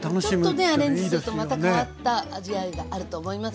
ちょっとねアレンジするとまた変わった味わいがあると思います。